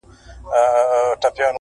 ته مور، وطن او د دنيا ښكلا ته شعر ليكې،